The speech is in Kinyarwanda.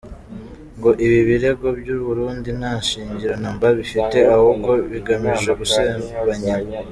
Ngo ibi birego by’u Burundi nta shingiro na mba bifite ahubwo bigamije gusebanya.